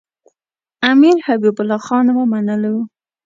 امیر حبیب الله خان ومنلو.